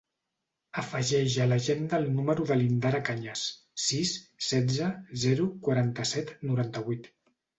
Afegeix a l'agenda el número de l'Indara Cañas: sis, setze, zero, quaranta-set, noranta-vuit.